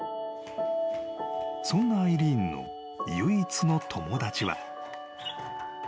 ［そんなアイリーンの唯一の友達は］